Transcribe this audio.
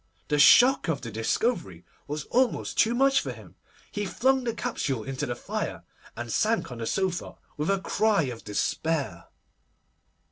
The shock of the discovery was almost too much for him. He flung the capsule into the fire, and sank on the sofa with a cry of despair.